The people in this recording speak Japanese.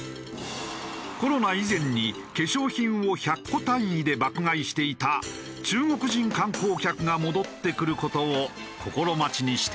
コロナ以前に化粧品を１００個単位で爆買いしていた中国人観光客が戻ってくる事を心待ちにしている。